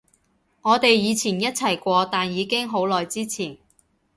我哋以前一齊過，但已經好耐之前